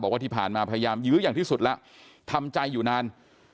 ว่าที่ผ่านมาพยายามยื้ออย่างที่สุดแล้วทำใจอยู่นาน